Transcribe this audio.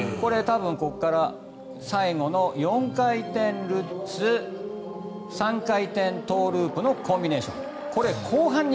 多分、ここから最後の４回転ルッツ３回転トウループのコンビネーション。